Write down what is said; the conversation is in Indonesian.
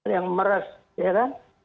yang meres ya kan